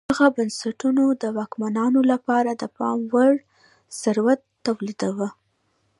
دغو بنسټونو د واکمنانو لپاره د پام وړ ثروت تولیداوه